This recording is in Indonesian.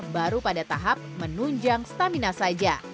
baru pada tahap menunjang stamina saja